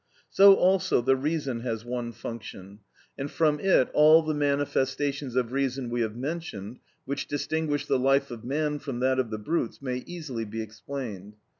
So also the reason has one function; and from it all the manifestations of reason we have mentioned, which distinguish the life of man from that of the brutes, may easily be explained.